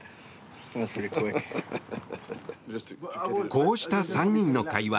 こうした３人の会話